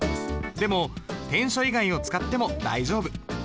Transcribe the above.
でも篆書以外を使っても大丈夫。